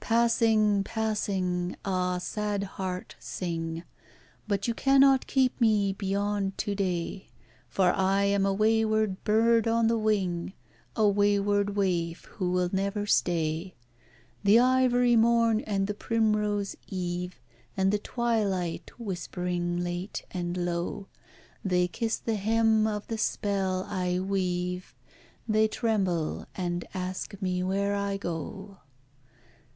Passing, passing ah! sad heart, sing; But you cannot keep me beyond to day, For I am a wayward bird on the wing A wayward waif, who will never stay. The ivory morn, and the primrose eve, And the twilight, whispering late and low, They kiss the hem of the spell I weave; They tremble, and ask me where I go.